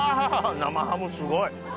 生ハムすごい。